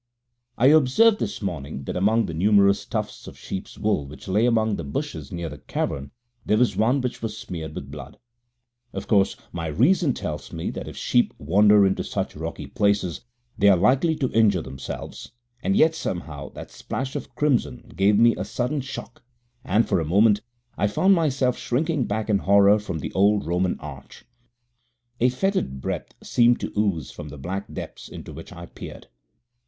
< 5 > I observed this morning that among the numerous tufts of sheep's wool which lay among the bushes near the cavern there was one which was smeared with blood. Of course, my reason tells me that if sheep wander into such rocky places they are likely to injure themselves, and yet somehow that splash of crimson gave me a sudden shock, and for a moment I found myself shrinking back in horror from the old Roman arch. A fetid breath seemed to ooze from the black depths into which I peered.